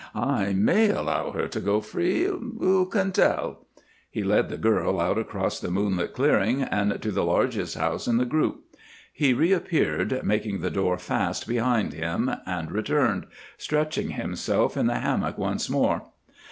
"I may allow her to go free. Who can tell?" He led the girl out across the moonlit clearing and to the largest house in the group. He reappeared, making the door fast behind him, and returned, stretching himself in the hammock once more.